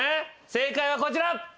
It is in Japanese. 正解はこちら。